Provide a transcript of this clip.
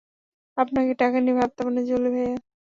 আপনাকে টাকা নিয়ে ভাবতে হবে না, জলি ভাইয়া।